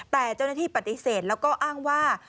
แต่เจ้าหน้าที่ปฏิเสธแล้วก็อ้างว่า